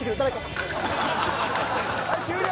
はい終了！